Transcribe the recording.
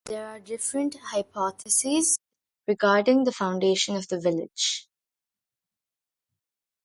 There are different hypotheses regarding the foundation of the village.